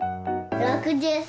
６３！